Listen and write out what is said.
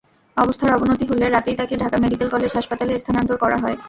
অবস্থার অবনতি হলে রাতেই তাঁকে ঢাকা মেডিকেল কলেজ হাসপাতালে স্থানান্তর করা হয়।